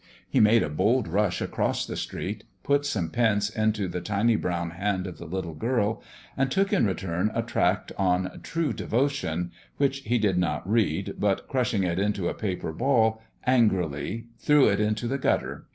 He made a bold rush across the street, put some pence into the tiny brown hand of the little girl, and took in return a tract on "True Devotion," which he did not read, but crushing it into a paper ball, angrily, threw it into the gutter.